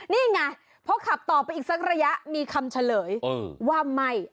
นี่ไงพอขับต่อไปอีกสักระยะมีคำเฉลยว่าไม่